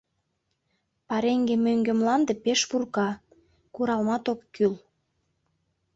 Пареҥге мӧҥгӧ мланде пеш пурка, куралмат ок кӱл.